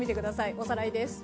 おさらいです。